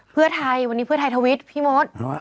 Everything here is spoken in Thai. เพื่อไทยวันนี้เพื่อไทยทวิตพี่มด